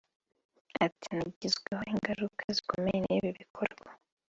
Ati “Nagizweho ingaruka zikomeye n’ibi bikorwa